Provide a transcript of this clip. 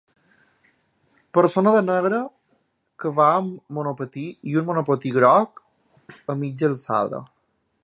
Persona de negre que va amb monopatí i un monopatí groc a mitja alçada.